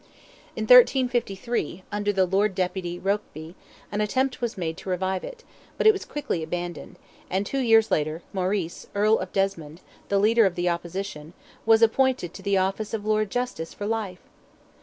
In 1353, under the lord deputy, Rokeby, an attempt was made to revive it, but it was quickly abandoned; and two years later, Maurice, Earl of Desmond, the leader of the opposition, was appointed to the office of Lord Justice for life!